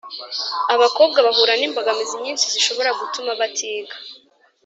Abakobwa bahura n’imbogamizi nyinshi zishobora gutuma batiga.